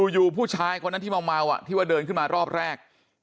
อยู่ผู้ชายคนนั้นที่เมาที่ว่าเดินขึ้นมารอบแรก